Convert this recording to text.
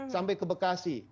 sampai ke bekasi